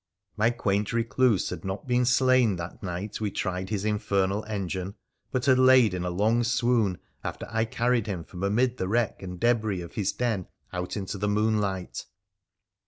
My quaint recluse had not been slain that night we tried his infernal engine, but had lain in a long swoon after I carried him from amid the wreck and debris of his den out into the moonlight.